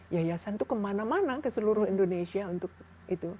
yayasan itu kemana mana ke seluruh indonesia untuk itu